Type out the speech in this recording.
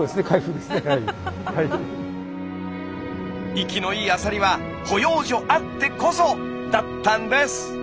生きのいいアサリは保養所あってこそ！だったんです。